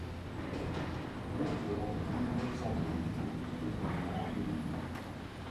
Les couleurs vives symbolisent le futur brillant des îles.